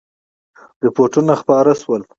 رپوټونه خپاره شول.